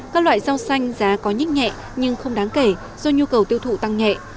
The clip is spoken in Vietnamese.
các loại rau xanh giá có nhích nhẹ nhưng không đáng kể do nhu cầu tiêu thụ tăng nhẹ